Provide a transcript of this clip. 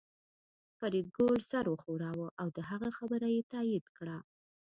فریدګل سر وښوراوه او د هغه خبره یې تایید کړه